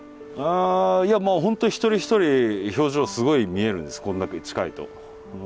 いやもう本当一人一人表情すごい見えるんですこんだけ近いと。